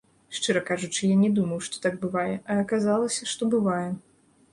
Шчыра кажучы, я не думаў, што так бывае, а аказалася, што бывае.